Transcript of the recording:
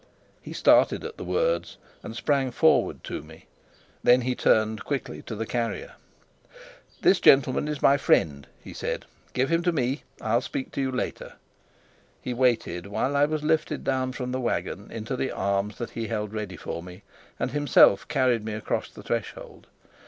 He started at the words, and sprang forward to me. Then he turned quickly to the carrier. "This gentleman is my friend," he said. "Give him to me. I'll speak to you later." He waited while I was lifted down from the wagon into the arms that he held ready for me, and himself carried me across the threshold.